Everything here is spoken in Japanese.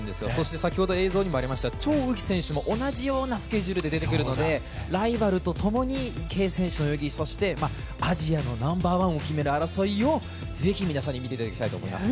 そして張雨霏選手も同じようなスケジュールで出てくるので、ライバルとともに池江選手のようにそして、アジアのナンバーワンを決める争いをぜひ、皆さんに見ていただきたいと思います。